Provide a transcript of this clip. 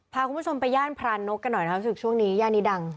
พาคุณผู้ชมไปย่านพรานกกันหน่อยนะครับรู้สึกช่วงนี้ย่านนี้ดัง